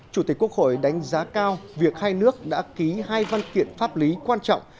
chủ tịch quốc hội đánh giá cao việc hai nước đã ký hai văn kiện pháp lý quan trọng